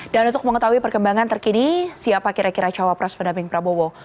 dan untuk mengetahui perkembangan terkini siapa kira kira jawab rasul dhaming prabowo